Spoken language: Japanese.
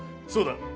そうだ！